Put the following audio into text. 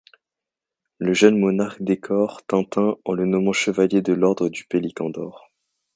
Le jeune monarque décore Tintin en le nommant chevalier de l'ordre du Pélican d'Or.